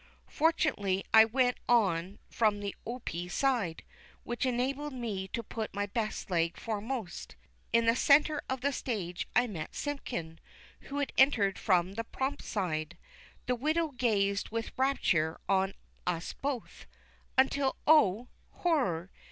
Fortunately I went on from the O.P. side, which enabled me to put my best leg foremost. In the centre of the stage I met Simpkin, who had entered from the prompt side. The widow gazed with rapture on us both, until, oh, horror!